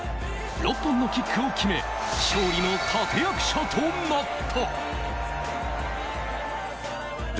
６本のキックを決め、勝利の立役者となった。